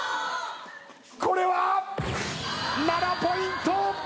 これは⁉７ポイント！